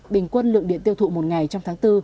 bình quân lượng điện tiêu thụ một ngày trong tháng bốn